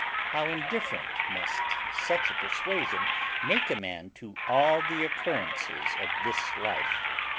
How indifferent must such a persuasion make a man to all the occurrences of this life!